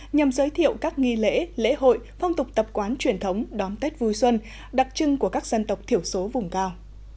nhằm giới thiệu các nghi lễ lễ hội phong tục tập quán truyền thống đón tết vui xuân đặc trưng của các dân tộc thiểu số vùng cao